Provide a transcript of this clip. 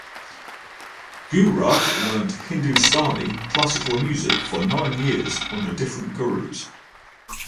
Gourav learnt Hindustani classical music for nine years under different Gurus.